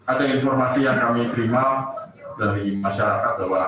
ada informasi yang kami terima dari masyarakat bahwa